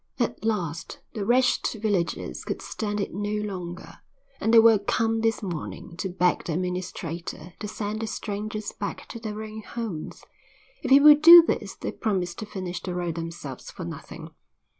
At last the wretched villagers could stand it no longer, and they were come this morning to beg the administrator to send the strangers back to their own homes. If he would do this they promised to finish the road themselves for nothing.